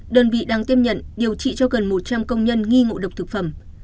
đơn vị đang tiếp nhận điều trị cho gần một trăm linh công nhân nghi ngộ độc thực phẩm